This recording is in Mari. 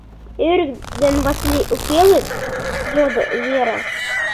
— Юрик ден Васлий укелыт? — йодо Вера.